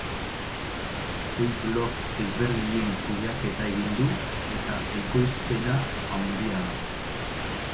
Sei blog ezberdinen kudeaketa egin du, eta ekoizpena handia da.